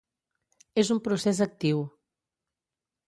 És un procés actiu.